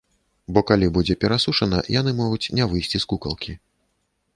Бо калі будзе перасушана, яны могуць не выйсці з кукалкі.